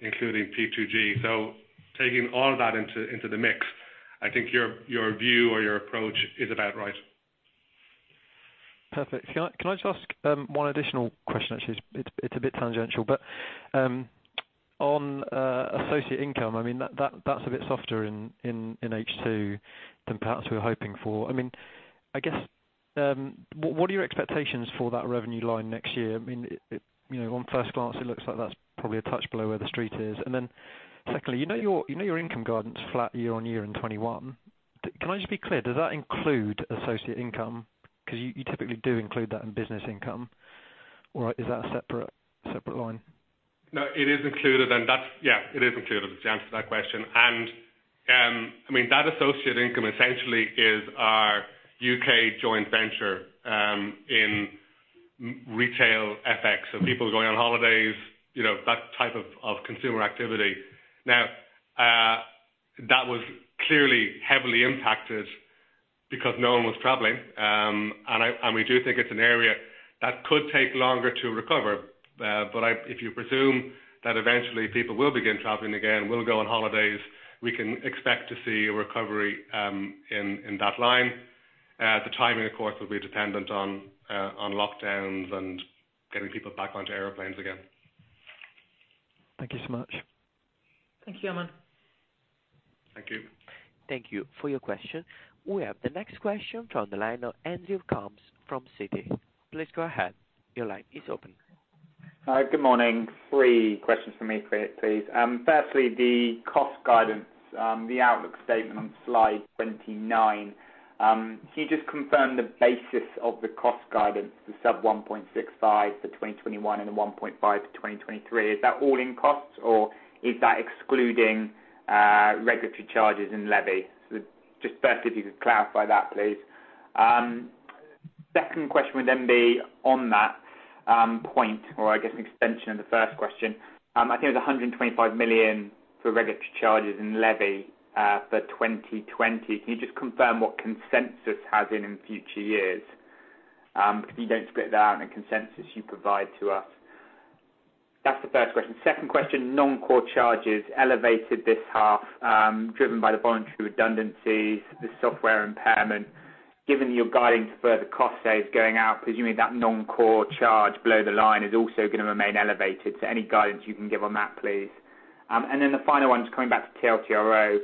including P2G. Taking all that into the mix, I think your view or your approach is about right. Perfect. Can I just ask one additional question? Actually, it's a bit tangential. On associate income, that's a bit softer in H2 than perhaps we were hoping for. What are your expectations for that revenue line next year? On first glance, it looks like that's probably a touch below where the street is. Secondly, you know your income guidance flat year-on-year in 2021. Can I just be clear, does that include associate income? Because you typically do include that in business income. Is that a separate line? No, it is included. Yeah, it is included is the answer to that question. That associate income essentially is our U.K. joint venture in retail FX. People going on holidays, that type of consumer activity. That was clearly heavily impacted because no one was traveling. We do think it's an area that could take longer to recover. If you presume that eventually people will begin traveling again, will go on holidays, we can expect to see a recovery in that line. The timing, of course, will be dependent on lockdowns and getting people back onto airplanes again. Thank you so much. Thank you, Aman. Thank you. Thank you for your question. We have the next question from the line of Andrew Coombs from Citi. Please go ahead. Your line is open. Good morning. Three questions from me, please. Firstly, the cost guidance, the outlook statement on slide 29. Can you just confirm the basis of the cost guidance to sub 1.65 for 2021 and the 1.5 for 2023? Is that all-in costs, or is that excluding regulatory charges and levy? Firstly, if you could clarify that, please. Second question would be on that point, or I guess an extension of the first question. I think it was 125 million for regulatory charges and levy for 2020. Can you just confirm what consensus has been in future years? You don't split that out in the consensus you provide to us. That's the first question. Second question, non-core charges elevated this half, driven by the voluntary redundancies, the software impairment. Given your guidance for further cost saves going out, presuming that non-core charge below the line is also going to remain elevated. Any guidance you can give on that, please. Then the final one's coming back to TLTRO.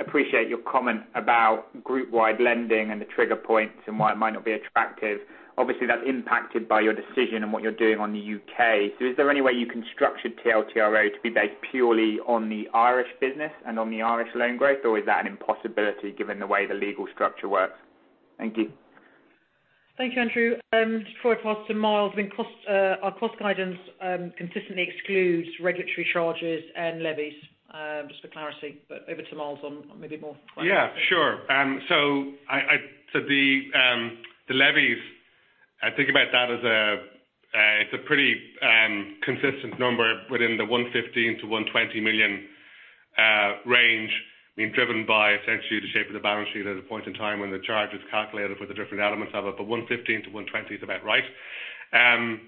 Appreciate your comment about group-wide lending and the trigger points and why it might not be attractive. Obviously, that's impacted by your decision and what you're doing on the U.K. Is there any way you can structure TLTRO to be based purely on the Irish business and on the Irish loan growth? Is that an impossibility given the way the legal structure works? Thank you. Thank you, Andrew. Just before I pass to Myles, our cost guidance consistently excludes regulatory charges and levies, just for clarity. Over to Myles on maybe more. Yeah, sure. The levies, I think about that as it's a pretty consistent number within the 115 million-120 million range, being driven by essentially the shape of the balance sheet at a point in time when the charge is calculated for the different elements of it. 115 to 120 is about right. If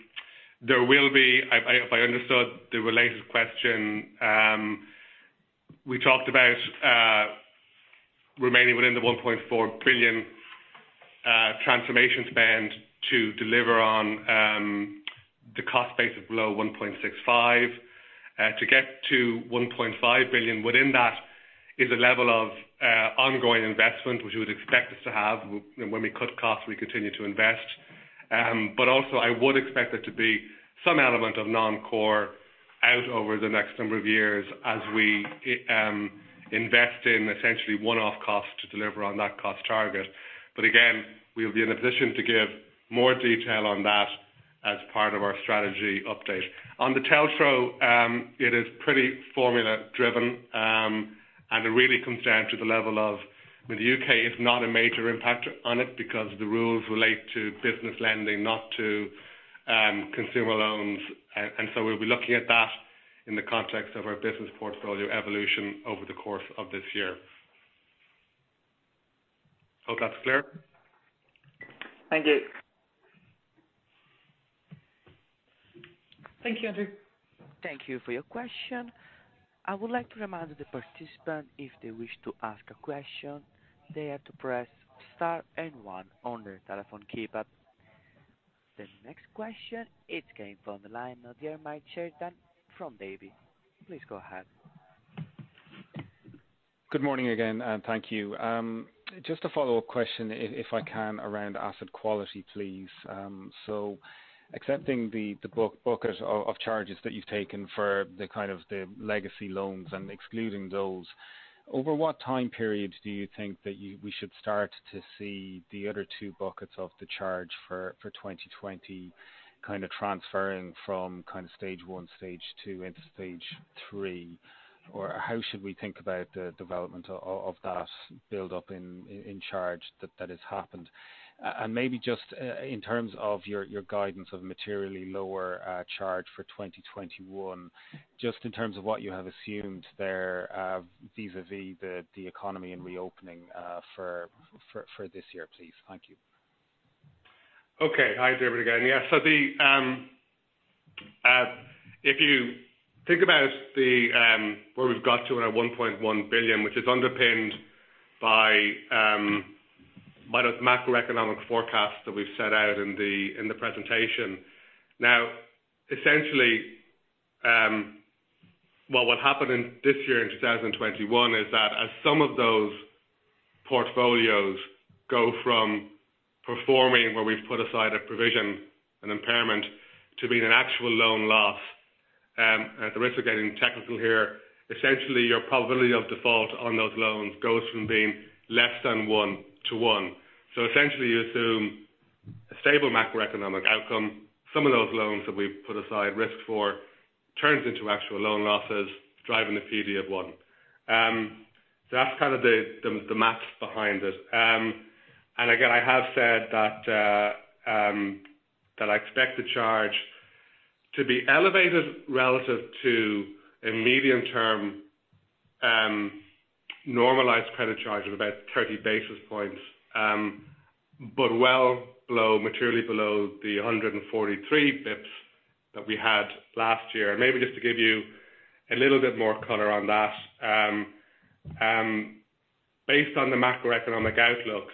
I understood the related question, we talked about remaining within the 1.4 billion transformation spend to deliver on the cost base of below 1.65. To get to 1.5 billion within that is a level of ongoing investment, which you would expect us to have. When we cut costs, we continue to invest. Also, I would expect there to be some element of non-core out over the next number of years as we invest in essentially one-off costs to deliver on that cost target. Again, we'll be in a position to give more detail on that as part of our strategy update. On the TLTRO, it is pretty formula driven, and it really comes down to the level of with the U.K. is not a major impact on it because the rules relate to business lending, not to consumer loans. We'll be looking at that in the context of our business portfolio evolution over the course of this year. Hope that's clear. Thank you. Thank you, Andrew. Thank you for your question. I would like to remind the participant if they wish to ask a question, they have to press star and one on their telephone keypad. The next question is coming from the line of Diarmaid Sheridan from Davy. Please go ahead. Good morning again. Thank you. Just a follow-up question if I can, around asset quality, please. Accepting the bucket of charges that you've taken for the legacy loans and excluding those, over what time period do you think that we should start to see the other two buckets of the charge for 2020 transferring from stage one, stage two into stage three? How should we think about the development of that build up in charge that has happened? Maybe just in terms of your guidance of materially lower charge for 2021, just in terms of what you have assumed there vis-a-vis the economy and reopening for this year, please. Thank you. Okay. Hi, Diarmaid again. Yeah. If you think about where we've got to in our 1.1 billion, which is underpinned by those macroeconomic forecasts that we've set out in the presentation. Now, essentially, what happened in this year, in 2021, is that as some of those portfolios go from performing where we've put aside a provision, an impairment, to being an actual loan loss, at the risk of getting technical here, essentially, your probability of default on those loans goes from being less than one to one. Essentially, you assume a stable macroeconomic outcome. Some of those loans that we've put aside risk for turns into actual loan losses, driving the PD of one. That's kind of the math behind it. Again, I have said that I expect the charge to be elevated relative to a medium term normalized credit charge of about 30 basis points. Well below, materially below the 143 basis points that we had last year. Maybe just to give you a little bit more color on that, based on the macroeconomic outlook,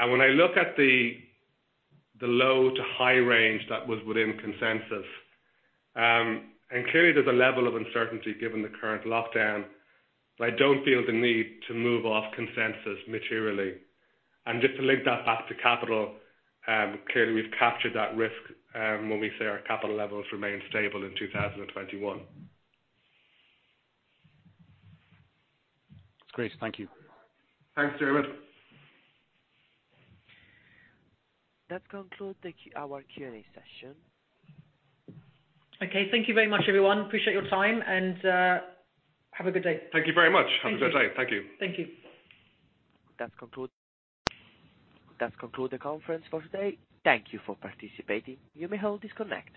and when I look at the low to high range that was within consensus, and clearly there's a level of uncertainty given the current lockdown, but I don't feel the need to move off consensus materially. Just to link that back to capital, clearly we've captured that risk when we say our capital levels remain stable in 2021. That's great. Thank you. Thanks, Diarmaid. That concludes our Q&A session. Okay, thank you very much, everyone. Appreciate your time and have a good day. Thank you very much. Have a good day. Thank you. Thank you. That concludes the conference for today. Thank you for participating. You may all disconnect.